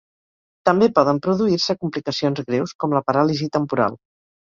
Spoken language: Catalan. També poden produir-se complicacions greus, com la paràlisi temporal.